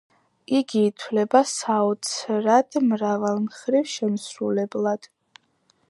იგი ითვლება „საოცრად მრავალმხრივ შემსრულებლად“.